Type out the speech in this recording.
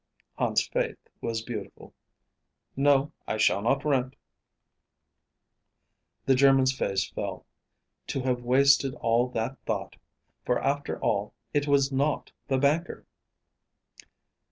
Hans's faith was beautiful. "No, I shall not rent." The German's face fell. To have wasted all that thought; for after all it was not the banker!